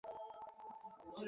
পরদিন আবার চলিতে আরম্ভ করিলাম।